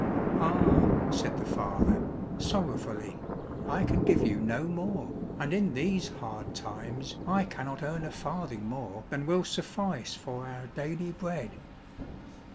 "Ah," said the father, sorrowfully, "I can give you no more, and in these hard times I cannot earn a farthing more than will suffice for our daily bread."